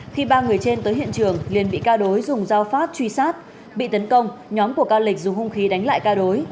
khi ba người trên tới hiện trường liền bị ca đối dùng dao phát truy sát bị tấn công nhóm của ca lịch dùng hung khí đánh lại ca đối